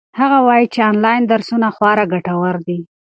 هغه وایي چې آنلاین درسونه خورا ګټور دي.